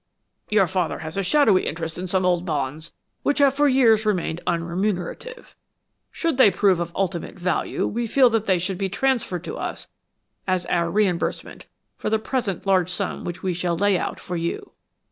Your father has a shadowy interest in some old bonds which have for years been unremunerative. Should they prove of ultimate value, we feel that they should be transferred to us as our reimbursement for the present large sum which we shall lay out for you."